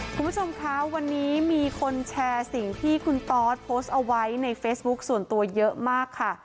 คุณผู้ชมคะวันนี้มีคนแชร์สิ่งที่คุณตอสโพสต์เอาไว้ในเฟซบุ๊คส่วนตัวเยอะมากค่ะ